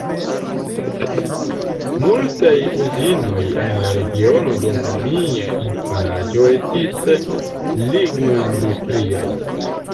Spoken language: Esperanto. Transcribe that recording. Multaj uzinoj en la regiono dum mia infanaĝo estis lignoindustriaj.